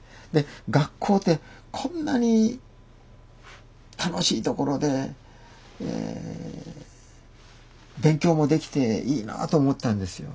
学校ってこんなに楽しいところで勉強もできていいなと思ったんですよ。